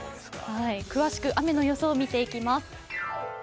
詳しく雨の予想見ていきます。